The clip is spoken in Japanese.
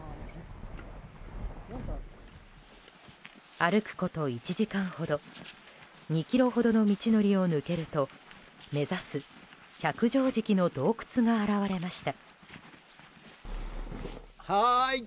歩くこと１時間ほど２ｋｍほどの道のりを抜けると目指す百畳敷の洞窟が現れました。